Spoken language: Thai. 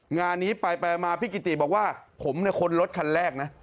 งานนี้ไปมาพี่กิตตีบอกว่าผมคนรถขันแรกนะ